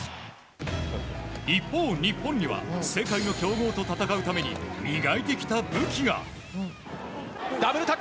一方、日本には世界の強豪と戦うために磨いてきた武器が。